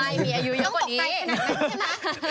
ต้องตกใจขนาดนั้นใช่ไหม